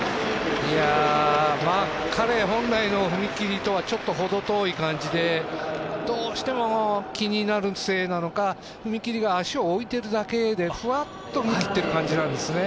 彼本来の踏み切りとは程遠い感じでどうしても気になるせいなのか踏み切りが足を置いているだけでふわっと跳んでいる感じなんですね。